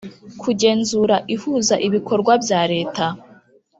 Kugenzura ihuza ibikorwa bya leta